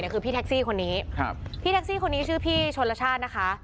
คือพี่แท็กซี่คนนี้พี่แท็กซี่คนนี้ชื่อพี่ชนลชาตินะคะ